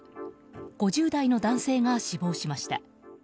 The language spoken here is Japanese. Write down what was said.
５０代の男性が死亡しました。